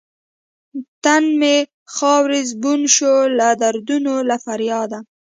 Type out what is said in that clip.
تن مې خوار زبون شو لۀ دردونو له فرياده